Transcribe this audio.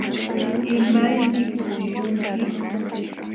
¿Imaymi kutimunki?